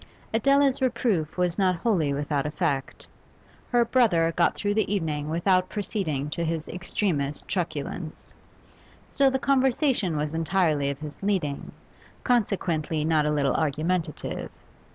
Adela's reproof was not wholly without effect; her brother got through the evening without proceeding to his extremest truculence, still the conversation was entirely of his leading, consequently not a little argumentative.